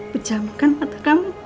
pejamkan mata kamu